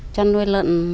chân nuôi lận